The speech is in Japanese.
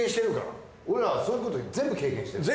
俺らはそういうこと全部経験してるから。